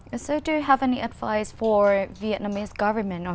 và phát triển cơ sở xã hội việt nam đến năm hai nghìn ba mươi năm